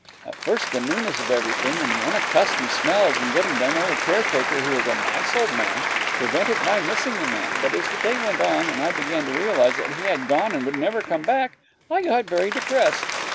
At first the newness of everything and the unaccustomed smells and getting to know the caretaker, who was a nice old man, prevented my missing the man, but as the day went on and I began to realize that he had gone and would never come back, I got very depressed.